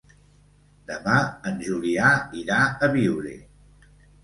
Demà en Julià irà a Biure.